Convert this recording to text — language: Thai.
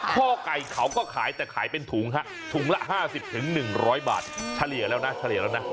ข้อก๋าไก่เขาก็ขายแต่ขายเป็นถุงถุงละ๕๐๑๐๐บาทเฉลี่ยแล้วนะ